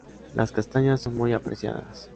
Las castañas son muy apreciadas.